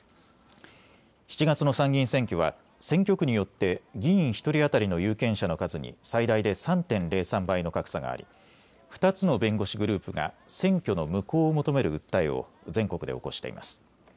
７月の参議院選挙は選挙区によって議員１人当たりの有権者の数に最大で３．０３倍の格差があり２つの弁護士グループが選挙の無効を求める訴えを全国で起こしています。